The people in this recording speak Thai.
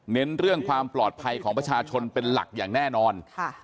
เรื่องความปลอดภัยของประชาชนเป็นหลักอย่างแน่นอน